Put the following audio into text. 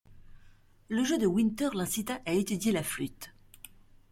Le jeu de Winter l'incita à étudier la flûte.